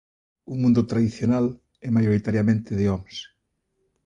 Un mundo tradicional e maioritariamente de homes.